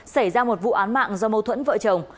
xảy ra một vụ án mạng do mâu thuẫn vợ chồng